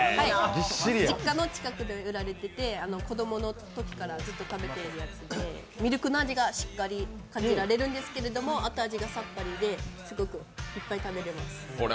実家の近くで売られてて、子供のときからずっと食べてるやつでミルクの味がしっかり感じられるんですけど後味がさっぱりですごくいっぱい食べれます。